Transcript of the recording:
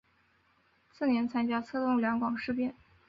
次年参与策动两广事变。